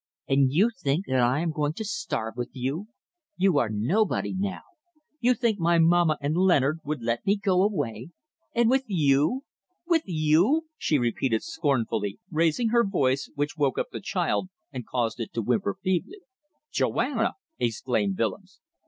"And you think that I am going to starve with you. You are nobody now. You think my mamma and Leonard would let me go away? And with you! With you," she repeated scornfully, raising her voice, which woke up the child and caused it to whimper feebly. "Joanna!" exclaimed Willems.